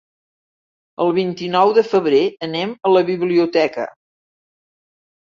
El vint-i-nou de febrer anem a la biblioteca.